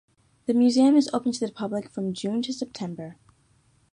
The museum is open to the public, from June to September.